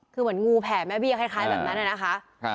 คือเหมือนงูแผ่แม่เบี้ยคล้ายแบบนั้นนะคะ